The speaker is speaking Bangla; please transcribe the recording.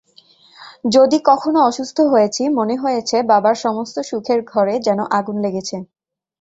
যদি কখনো অসুস্থ হয়েছি, মনে হয়েছে বাবার সমস্ত সুখের ঘরে যেন আগুন লেগেছে।